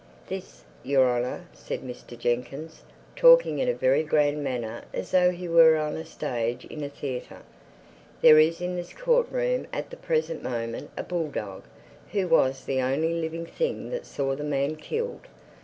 "This, Your Honor," said Mr. Jenkyns, talking in a very grand manner as though he were on a stage in a theatre: "there is in this court room at the present moment a bulldog, who was the only living thing that saw the man killed.